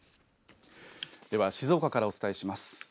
では、静岡からお伝えします。